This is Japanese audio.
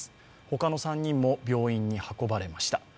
他の３人も病院に運ばれました。